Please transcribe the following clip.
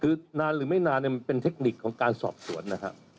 คือนานหรือไม่นานมันเป็นเทคนิคของการสอบสวนนะครับ